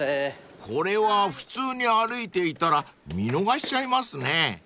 ［これは普通に歩いていたら見逃しちゃいますね］